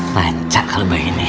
lancak kalau begini